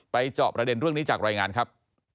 จอบประเด็นเรื่องนี้จากรายงานครับ